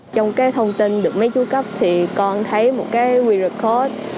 trong cái thông tin được mấy chú cấp thì con thấy một cái qr code